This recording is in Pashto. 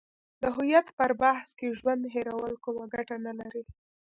د هویت پر بحث کې ژوند هیرول کومه ګټه نه لري.